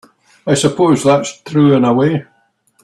I suppose that's true in a way.